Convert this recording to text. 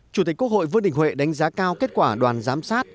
chủ tịch quốc hội vương đình huệ đánh giá cao kết quả đoàn giám sát